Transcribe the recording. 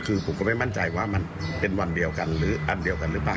คือผมก็ไม่มั่นใจว่ามันเป็นวันเดียวกันหรืออันเดียวกันหรือเปล่า